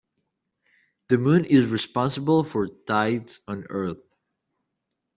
The moon is responsible for tides on earth.